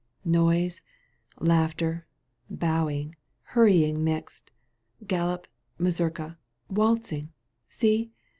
Noise, laughter, bowing, hurrying mixt^ GaHop, mazurka, waltzing — see